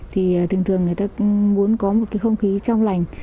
thường thường người ta muốn có một không khí trong lành